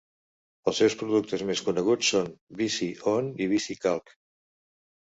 Els seus productes més coneguts són Visi On i VisiCalc.